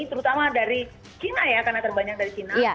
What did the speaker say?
terutama dari china ya karena terbanyak dari china